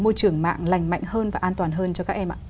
môi trường mạng lành mạnh hơn và an toàn hơn cho các em ạ